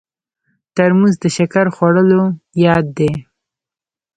ترموز د شکر خوړلو یاد دی.